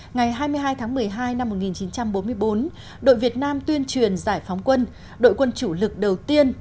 ngày hai mươi hai tháng một mươi hai năm một nghìn chín trăm bốn mươi bốn đội việt nam tuyên truyền giải phóng quân đội quân chủ lực đầu tiên